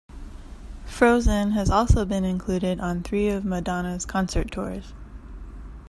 "Frozen" has also been included on three of Madonna's concert tours.